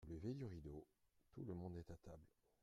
Au lever du rideau, tout le monde est à table.